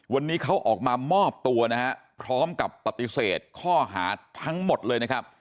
วันนี้เขาออกมามอบตัวนะฮะพร้อมกับปฏิเสธข้อหาทั้งหมดเลยนะครับ